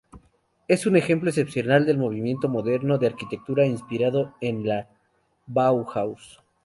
Es un ejemplo excepcional del Movimiento Moderno de arquitectura inspirado en la Bauhaus.